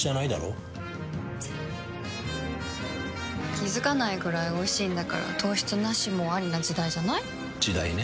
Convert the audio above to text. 気付かないくらいおいしいんだから糖質ナシもアリな時代じゃない？時代ね。